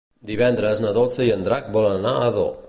Divendres na Dolça i en Drac van a Ador.